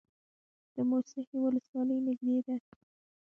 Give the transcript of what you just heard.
د موسهي ولسوالۍ نږدې ده